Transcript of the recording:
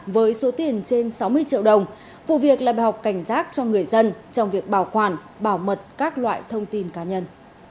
với số tiền trên sáu mươi triệu đồng vụ việc là bài học cảnh giác cho người dân trong việc bảo quản bảo mật các loại thông tin cá nhân